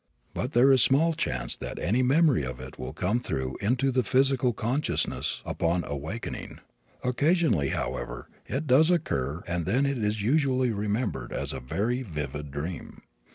But there is small chance that any memory of it will come through into the physical consciousness upon awakening. Occasionally, however, it does occur and then it is usually remembered as a very vivid dream.